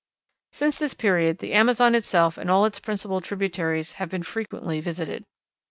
Since this period the Amazon itself and all its principal tributaries have been frequently visited.